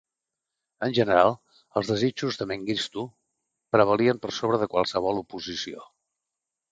En general, els desitjos de Mengistu prevalien per sobre de qualsevol oposició.